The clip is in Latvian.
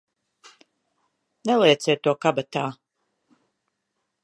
Nelieciet to kabatā!